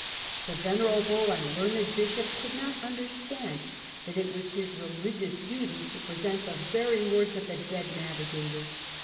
The venera})le and learned bishop could not understand that it was his religious duty to present the very wonls of the dead navigator.